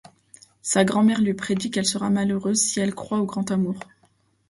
Sa grand-mère lui prédit qu’elle sera malheureuse si elle croit au grand amour.